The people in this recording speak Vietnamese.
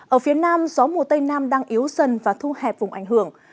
ở phía nam gió mùa tây nam đang yếu dần và thu hẹp vùng ảnh hưởng